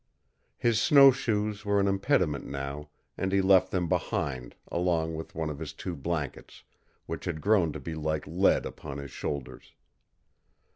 His snow shoes were an impediment now, and he left them behind, along with one of his two blankets, which had grown to be like lead upon his shoulders.